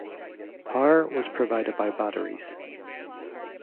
Power was provided by batteries.